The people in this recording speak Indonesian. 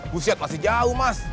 busiat masih jauh mas